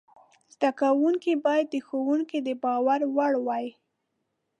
زده کوونکي باید د ښوونکي د باور وړ وای.